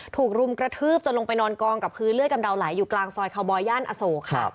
ถูกรุมกระทืบจนลงไปนอนกองกับพื้นเลือดกำเดาไหลอยู่กลางซอยคาวบอยย่านอโศกค่ะ